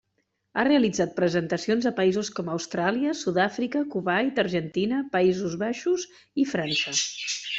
Ha realitzat presentacions a països com Austràlia, Sud-àfrica, Kuwait, Argentina, Països Baixos i França.